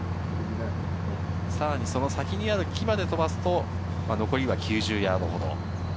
さらにその先にある木まで飛ばすと、残りは９０ヤードほど。